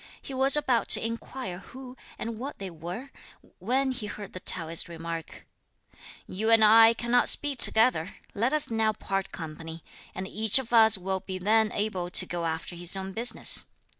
He was about to inquire who and what they were, when he heard the Taoist remark, "You and I cannot speed together; let us now part company, and each of us will be then able to go after his own business.